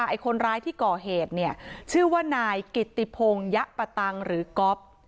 ไอ้คนร้ายที่ก่อเหตุเนี่ยชื่อว่านายกิตติพงยะปะตังหรือก๊อฟ